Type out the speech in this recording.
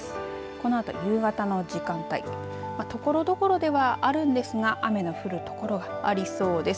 このあと夕方の時間帯ところどころではあるんですが雨の降るところがありそうです。